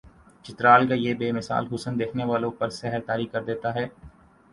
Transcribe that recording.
چترال کا یہ بے مثال حسن دیکھنے والوں پر سحر طاری کردیتا ہے